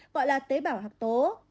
gọi là tế bào hạc tố